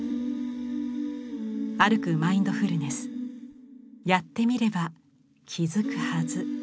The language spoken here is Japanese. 歩くマインドフルネスやってみれば気付くはず。